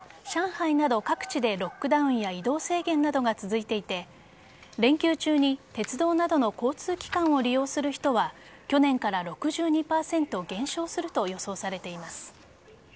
今年の５連休は上海など各地でロックダウンや移動制限などが続いていて連休中に鉄道などの交通機関を利用する人は去年から６２％減少すると予想されています。